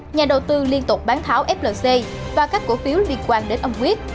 nhà đầu tư liên tục bán tháo flc và các cổ phiếu liên quan đến ông quyết